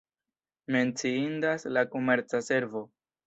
Menciindas la komerca servo.